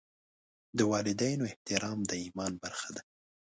د والدینو احترام د ایمان برخه ده.